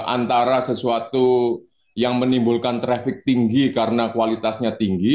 antara sesuatu yang menimbulkan traffic tinggi karena kualitasnya tinggi